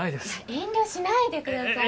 遠慮しないでくださいよ。